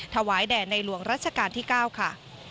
ถวายแด่ในหลวงรัชกาลที่๙ค่ะ